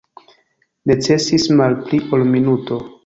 Necesis malpli ol minuto